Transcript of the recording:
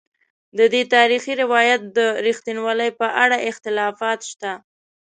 ددې تاریخي روایت د رښتینوالي په اړه اختلافات شته.